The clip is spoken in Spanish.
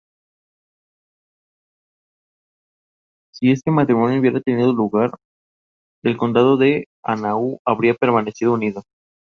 Si este matrimonio hubiera tenido lugar, el condado de Hanau habría permanecido unido.